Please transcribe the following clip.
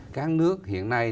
các nước hiện nay